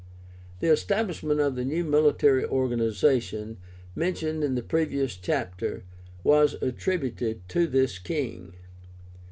The establishment of the new military organization, mentioned in the previous chapter, was attributed also to this king.